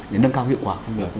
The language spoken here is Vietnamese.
để nâng cao hiệu quả